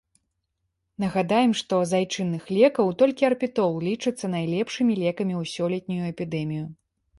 Нагадаем, што з айчынных лекаў толькі арпетол лічыцца найлепшымі лекамі ў сёлетнюю эпідэмію.